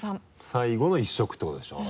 最後の１食ってことでしょ？